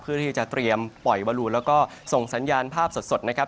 เพื่อที่จะเตรียมปล่อยวลูนแล้วก็ส่งสัญญาณภาพสดนะครับ